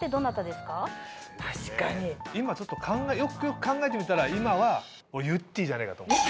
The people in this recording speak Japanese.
今ちょっとよくよく考えてみたら今はゆってぃじゃないかと思う。